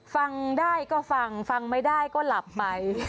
ฟังได้ก็ฟังฟังไม่ได้ก็หลับไป